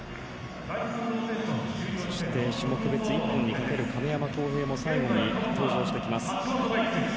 そして種目別にかける亀山耕平も最後に、登場してきます。